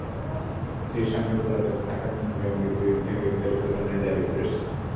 সেই সঙ্গে পলাতক থাকা তিন জঙ্গির বিরুদ্ধে গ্রেপ্তারি পরোয়ানা জারি করেছেন।